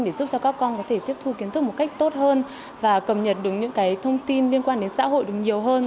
để giúp cho các con có thể tiếp thu kiến thức một cách tốt hơn và cập nhật đúng những thông tin liên quan đến xã hội được nhiều hơn